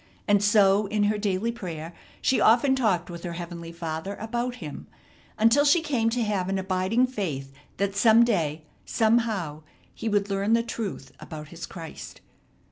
And so in her daily prayer she often talked with her heavenly Father about him, until she came to have an abiding faith that some day, somehow, he would learn the truth about his Christ.